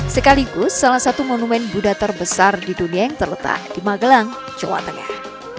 sekaligus salah satu monumen buddha terbesar di dunia yang terletak di magelang jawa tengah